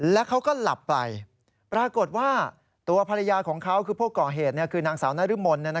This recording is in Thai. แล้วเขาก็หลับไปปรากฏว่าตัวภรรยาของเขาคือผู้ก่อเหตุคือนางสาวนรมน